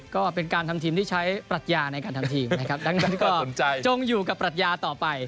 ก็เป็นการทำทีมที่ใช้ปรัชญาในการทำทีมนะครับดังนั้นก็จงอยู่กับปรัชญาต่อไป